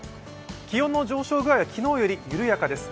気温の上昇具合は昨日より緩やかです。